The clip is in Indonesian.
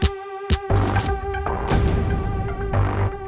nah sumber kunistling itu keren banget